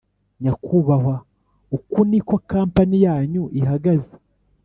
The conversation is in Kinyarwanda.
nyakubahwa uku niko kampani yanyu ihagaze